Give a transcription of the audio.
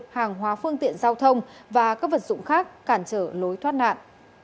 hàng hóa phương tiện giao thông và các vật dụng khác cản trở lối thoát nạn